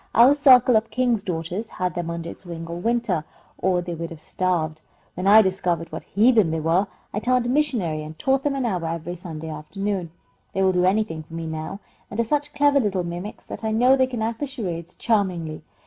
"Our circle of King's Daughters had them under its wing all winter, or they would have starved. When I discovered what heathen they were, I turned missionary and taught them an hour every Sunday afternoon. They will do anything for me now, and are such clever little mimics that I know they can act the charades charmingly.